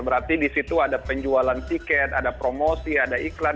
berarti di situ ada penjualan tiket ada promosi ada iklan